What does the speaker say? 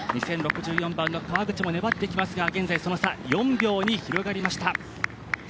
２０６４番の川口も粘ってきますが現在、その差、４秒に広がりました。